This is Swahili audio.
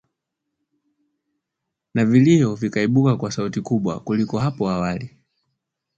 na vilio vikaibuka kwa sauti kubwa kuliko hapo awali